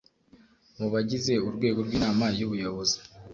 mu bagize urwego rw inama y ubuyobozi